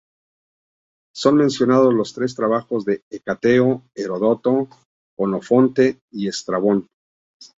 Son mencionados en los trabajos de Hecateo, Heródoto, Jenofonte y Estrabón.